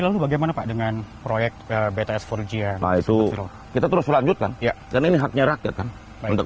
lalu bagaimana pak dengan proyek bts for jn itu kita terus melanjutkan dan ini haknya rakyat untuk